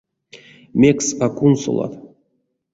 Мекс а кунсолат?